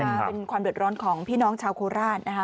เป็นความเดือดร้อนของพี่น้องชาวโคราชนะคะ